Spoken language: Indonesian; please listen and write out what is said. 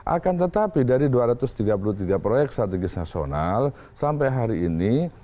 akan tetapi dari dua ratus tiga puluh tiga proyek strategis nasional sampai hari ini